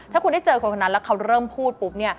ถ้าคุณได้เจอคนคนนั้นแล้วเขาเริ่มพูดปุ๊บเนี่ย